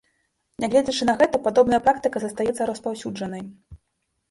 Нягледзячы на гэта, падобная практыка застаецца распаўсюджанай.